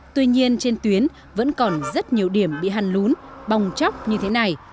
tuy nhiên trên tuyến vẫn còn rất nhiều điểm bị hàn lún bong chóc như thế này